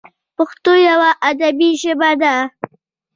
پښتو یوه ادبي ژبه ده.